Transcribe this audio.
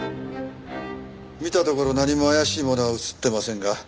見たところ何も怪しいものは写ってませんが。